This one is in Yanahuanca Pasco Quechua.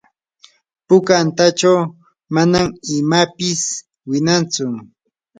puka antachaw manan imapis winantsu.